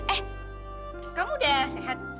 eh kamu udah sehat